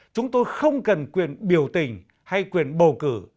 chúng tôi không cần quyền biểu tình hay quyền bầu cử